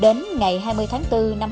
đến ngày hai mươi tháng bốn